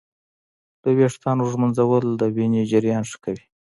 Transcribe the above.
د ویښتانو ږمنځول د وینې جریان ښه کوي.